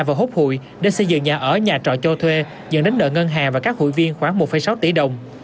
và hốt hụi để xây dựng nhà ở nhà trọ cho thuê dẫn đến nợ ngân hàng và các hụi viên khoảng một sáu tỷ đồng